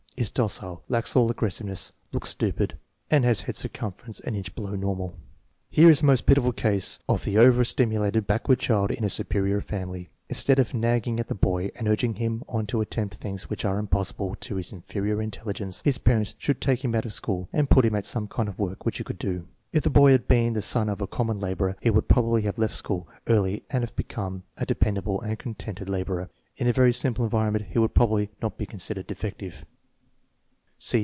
Is docile, lacks all aggressiveness, looks stupid, and has head circum ference an inch below normal. Here is a most pitiful case of the overstimulated backward child in a superior family. Instead of nagging at the boy and urging him on to attempt things which are impossible to his inferior intel ligence, his parents should take him out of school and put him at some kind of work which he could do. If the boy had been the son of a common laborer he would probably have left school early and have become a dependable and contented laborer. Li a very simple environment he would probably not be considered defective.